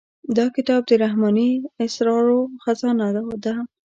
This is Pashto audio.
دا کتاب د رحماني اسرارو خزانه ده.